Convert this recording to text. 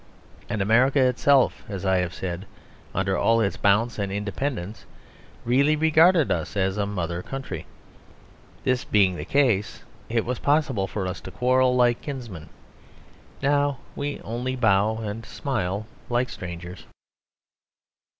And America itself, as I have said, under all its bounce and independence, really regarded us as a mother country. This being the case it was possible for us to quarrel, like kinsmen. Now we only bow and smile, like strangers.